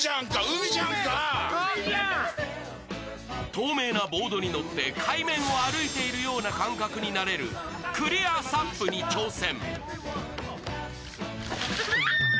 透明なボードに乗って海面を歩いているような感覚になれるクリアＳＵＰに挑戦。